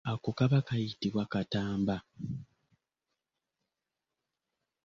Ako kaba kayitibwa katamba.